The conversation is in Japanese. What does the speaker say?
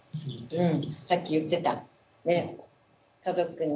うん。